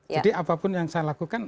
jadi apapun yang saya lakukan